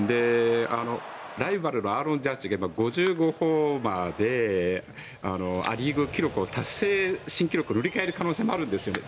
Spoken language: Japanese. ライバルのアーロン・ジャッジが今、５５ホーマーでア・リーグ新記録を塗り替える可能性もあるんですよね。